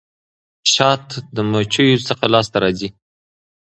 شات د مچيو څخه لاسته راځي.